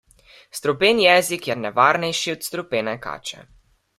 Strupen jezik je nevarnejši od strupene kače.